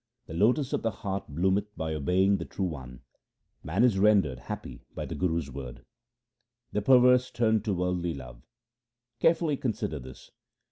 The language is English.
The lotus of the heart bloometh by obeying the True One ; man is rendered happy by the Guru's word. The perverse turn to worldly love ; carefully consider this.